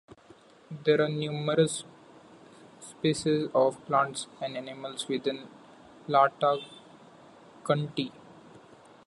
There are numerous species of plants and animals within Latah County.